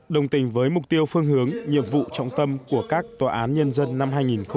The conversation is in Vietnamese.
đồng tình với mục tiêu phương hướng nhiệm vụ trọng tâm của các tòa án nhân dân năm hai nghìn hai mươi